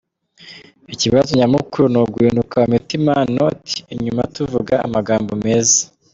Ikibazo nyamukuru ni uguhinduka mumitima not inyuma tuvuga amagambo meza.